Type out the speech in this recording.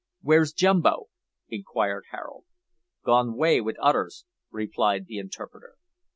"Where's Jumbo?" inquired Harold. "Gon' 'way wid oders," replied the interpreter.